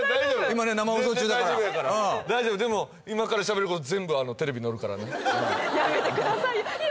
今ね生放送中だから大丈夫でも今からしゃべること全部テレビにのるからねやめてくださいいいよ